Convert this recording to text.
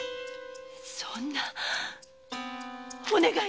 そんなお願いです。